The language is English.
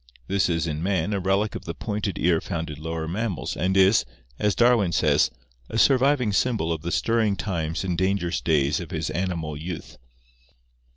This is in man a relic of the pointed ear found in lower mammals and is, as Darwin says, a "surviving symbol of the stirring times and dangerous days of his animal vouth."